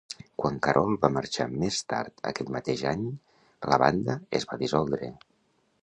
Quan Carole va marxar més tard aquell mateix any, la banda es va dissoldre.